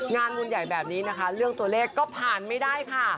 งานบุญใหญ่แบบนี้นะคะเรื่องตัวเลขก็ผ่านไม่ได้ค่ะ